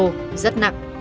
rất là đẹp và rất là đẹp